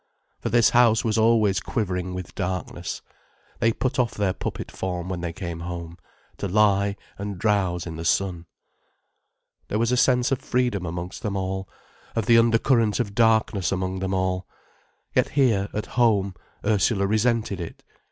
For this house was always quivering with darkness, they put off their puppet form when they came home, to lie and drowse in the sun. There was a sense of freedom amongst them all, of the undercurrent of darkness among them all. Yet here, at home, Ursula resented it.